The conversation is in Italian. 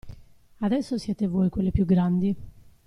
Adesso siete voi quelle più grandi.